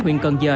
huyện cần giờ